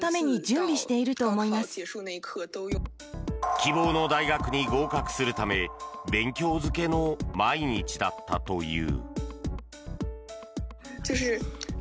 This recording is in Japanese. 希望の大学に合格するため勉強漬けの毎日だったという。